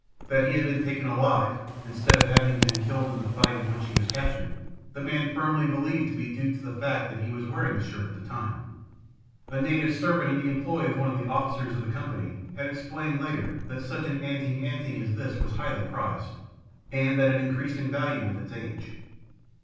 That he had been taken alive, instead of having been killed in the fight in which he was captured, the man firmly believed to be due to the fact that he was wearing the shirt at the time. A native servant in the employ of one of the officers of the company had explained later that such an "anting anting" as this was highly prized, and that it increased in value with its age.